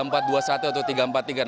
namun yang jelas di lini belakangnya